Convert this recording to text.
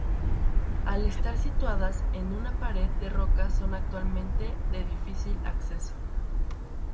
Al estar situadas en una pared de roca son actualmente de difícil acceso.